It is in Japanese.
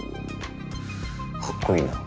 かっこいいな。